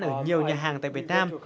ở nhiều nhà hàng tại việt nam